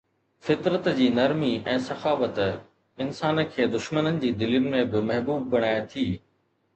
فطرت جي نرمي ۽ سخاوت انسان کي دشمنن جي دلين ۾ به محبوب بڻائي ٿي